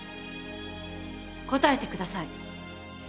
答えてください。